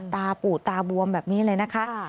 ปูดตาบวมแบบนี้เลยนะคะ